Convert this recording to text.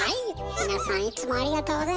皆さんいつもありがとうございます。